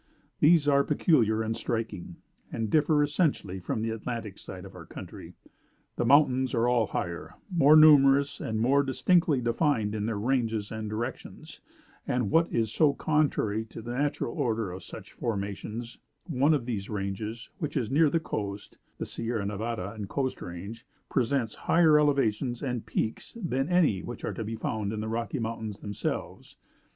These are peculiar and striking, and differ essentially from the Atlantic side of our country. The mountains all are higher, more numerous, and more distinctly defined in their ranges and directions; and, what is so contrary to the natural order of such formations, one of these, ranges, which is near the coast (the Sierra Nevada and the Coast Range), presents higher elevations and peaks than any which are to be found in the Rocky Mountains themselves.